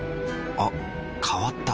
あ変わった。